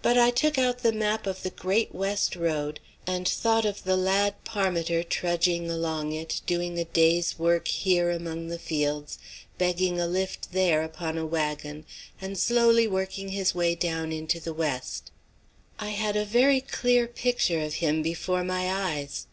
But I took out the map of the Great West Road, and thought of the lad Parmiter trudging along it, doing a day's work here among the fields, begging a lift there upon a waggon and slowly working his way down into the West. I had a very clear picture of him before my eyes.